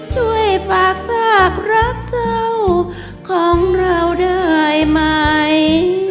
ช่วยฝากซากรักเศร้าของเราได้ไหม